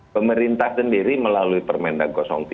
pemerintah sendiri melalui permendak tiga